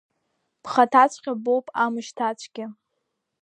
Бхаҭаҵәҟьа боуп амшьҭацәгьа.